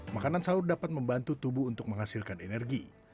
makanan sahur dapat membantu tubuh untuk menghasilkan energi